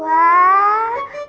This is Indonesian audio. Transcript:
wah mama masak besar nih